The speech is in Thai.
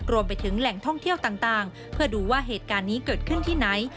รวมไปถึงแหล่งท่องเที่ยวต่างเพื่อดูว่าเหตุการณ์นี้เกิดขึ้นที่ไหน